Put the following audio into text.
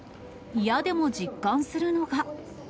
嫌でも実感するのが。